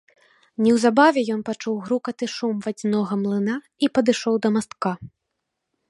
Неўзабаве ён пачуў грукат і шум вадзянога млына і падышоў да мастка.